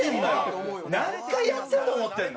何回やってると思ってんの？